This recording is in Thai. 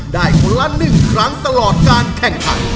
ได้๑ล้านนึงครั้งตลอดการแข่งขัน